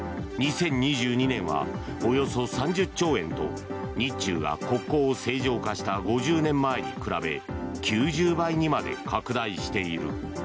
２０２２年はおよそ３０兆円と日中が国交を正常化した５０年前に比べ９０倍にまで拡大している。